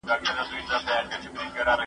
مینه او پاملرنه د زده کړي اصلي محرک دی.